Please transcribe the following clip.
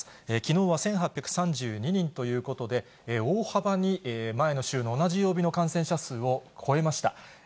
きのうは１８３２人ということで、大幅に前の週の同じ曜日の感染者数を超えました。